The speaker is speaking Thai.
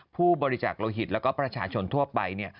ผู้บริจาคโลหิตแล้วก็ประชาชนทั่วไป